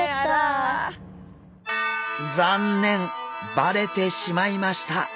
バレてしまいました。